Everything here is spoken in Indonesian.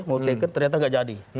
mau taken ternyata nggak jadi